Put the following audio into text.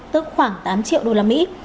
tức khoảng tám triệu đô la mỹ